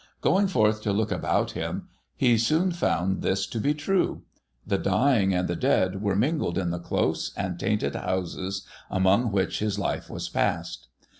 Going forth to look about him, he soon found this to be true. The dying and the dead were mingled in the close and tainted houses among which his life was passed.